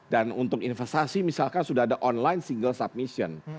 untuk investasi misalkan sudah ada online single submission